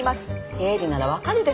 経理なら分かるでしょ？